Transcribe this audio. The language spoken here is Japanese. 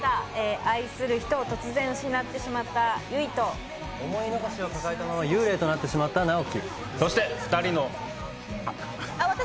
愛する人を突然失ってしまった悠依と思い残しを抱えたまま幽霊となってしまった直木。